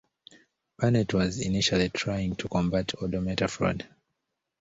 Barnett was initially trying to combat odometer fraud.